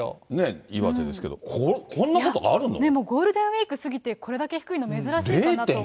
岩手ですけど、でもゴールデンウィーク過ぎて、これだけ低いの珍しいかなと。